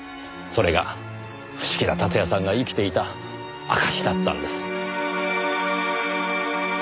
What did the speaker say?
それが伏木田辰也さんが生きていた証しだったんです。